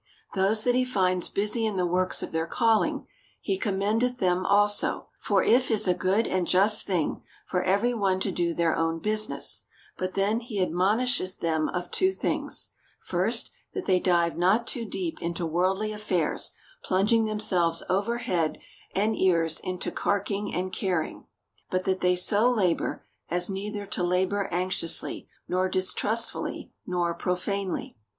Those that he finds busy in the works of their calling, he commendeth them also : for if is a good and just thing for every one to do their own business. But then he admonisheth them of two things — First, that they dive not too deep into worldly affairs, plunging them selves over head and ears into carking and caring ; but that they so labor, as neither to labor anxiously, nor distrustfully, nor profanely.